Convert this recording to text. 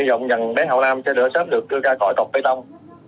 hy vọng rằng bé hậu nam sẽ được sớm được đưa ra khỏi cọc bê tông